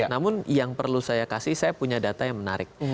namun yang perlu saya kasih saya punya data yang menarik